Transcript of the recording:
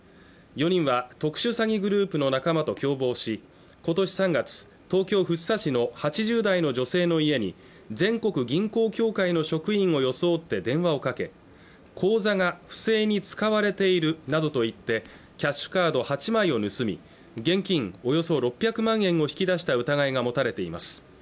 ４人は特殊詐欺グループの仲間と共謀しことし３月東京福生市の８０代の女性の家に全国銀行協会の職員を装って電話をかけ口座が不正に使われているなどと言ってキャッシュカード８枚を盗み現金およそ６００万円を引き出した疑いが持たれています